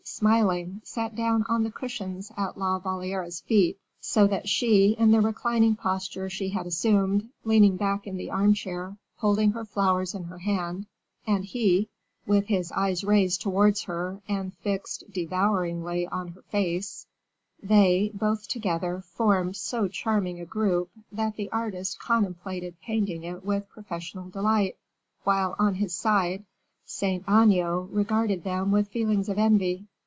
smiling, sat down on the cushions at La Valliere's feet; so that she, in the reclining posture she had assumed, leaning back in the armchair, holding her flowers in her hand, and he, with his eyes raised towards her and fixed devouringly on her face they, both together, formed so charming a group, that the artist contemplated painting it with professional delight, while on his side, Saint Aignan regarded them with feelings of envy.